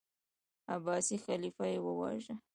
عباسي خلیفه یې وواژه.